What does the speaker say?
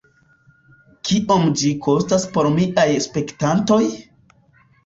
Kiom ĝi kostas por miaj spektantoj?